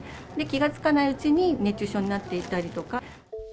気が付かないうちに熱中症になっていたりとか。